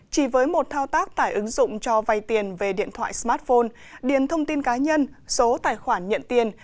chỉ với một thao tác tải ứng dụng cho vay tiền về điện thoại smartphone điền thông tin cá nhân số tài khoản nhận tiền